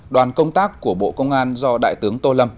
đoàn công tác của bộ công an do đại tướng tô lâm